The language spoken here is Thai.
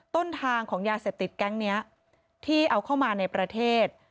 ต้นทางของยาเสพติดแก๊งนี้ที่เอาเข้ามาในประเทศ